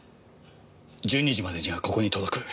１２時までにはここに届く。